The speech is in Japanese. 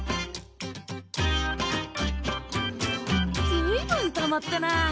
ずいぶんたまったな。